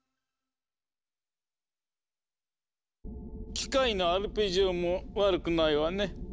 機械のアルペジオも悪くないわね。